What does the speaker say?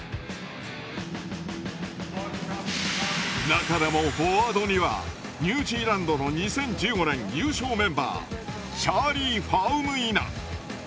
中でもフォワードにはニュージーランドの２０１５年優勝メンバーチャーリー・ファウムイナ。